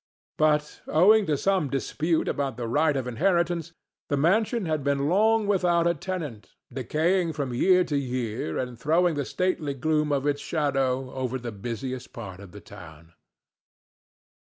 But, owing to some dispute about the right of inheritance, the mansion had been long without a tenant, decaying from year to year and throwing the stately gloom of its shadow over the busiest part of the town.